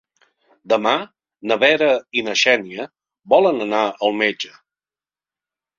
Demà na Vera i na Xènia volen anar al metge.